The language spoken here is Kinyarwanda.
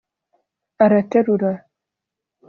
" Araterura